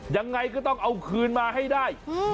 ยังไงก็ต้องเอาคืนมาให้ได้